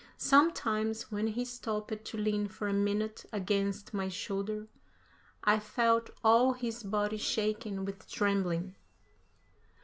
Sometimes, when he stopped to lean for a minute against my shoulder, I felt all his body shaken with trembling.